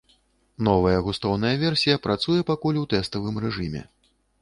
Новая густоўная версія працуе пакуль у тэставым рэжыме.